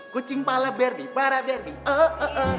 kucing pala berbi pala berbi oh oh oh